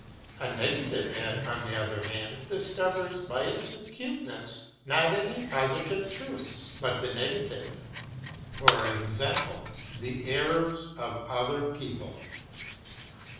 A negative head, on the other hand, discovers by its acuteness not any positive truths, but the negative (i. e. the errors) of other people.